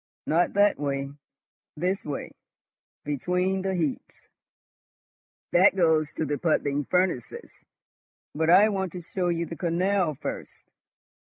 Not that way! This way, between the heaps. That goes to the puddling furnaces, but I want to show you the canal first."